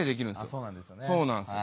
あそうなんですよね。